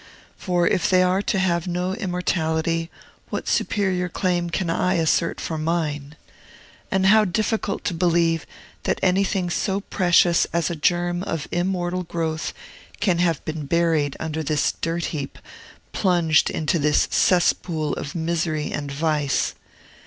For, if they are to have no immortality, what superior claim can I assert for mine? And how difficult to believe that anything so precious as a germ of immortal growth can have been buried under this dirt heap, plunged into this cesspool of misery and vice!